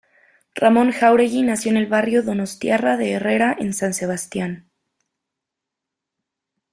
Ramón Jáuregui nació en el barrio donostiarra de Herrera en San Sebastián.